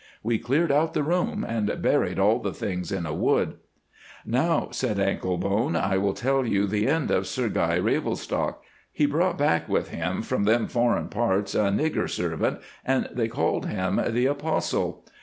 We cleared out the room, and buried all the things in a wood. "Now," said Anklebone, "I will tell you the end of Sir Guy Ravelstocke. He brought back with him from them foreign parts a nigger servant, and they called him the 'Apostle.